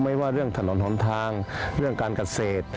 ว่าเรื่องถนนหนทางเรื่องการเกษตร